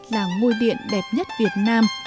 là ngôi điện đẹp nhất việt nam